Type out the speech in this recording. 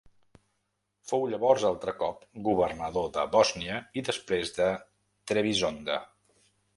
Fou llavors altre cop governador de Bòsnia i després de Trebisonda.